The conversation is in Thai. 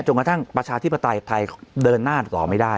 กระทั่งประชาธิปไตยไทยเดินหน้าต่อไม่ได้